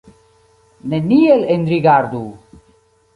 Neniel enrigardu!